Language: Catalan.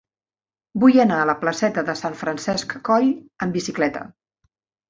Vull anar a la placeta de Sant Francesc Coll amb bicicleta.